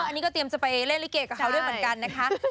อันนี้ก็เตรียมจะไปเล่นลิเกกับเขาด้วยเหมือนกันนะคะ